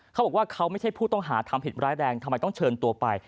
เขาบอกว่าเขาไม่ใช่ผู้ต้องหาทำผิดร้ายแรงทำไมต้องเชิญตัวไป